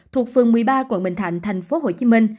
thuộc phường một mươi ba quận bình thạnh tp hcm